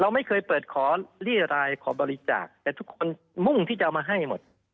ไม่เคยเปิดขอเรียรายขอบริจาคแต่ทุกคนมุ่งที่จะเอามาให้หมด